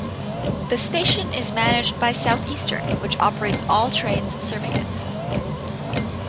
The station is managed by Southeastern, which operates all trains serving it.